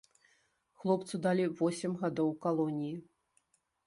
Хлопцу далі восем гадоў калоніі.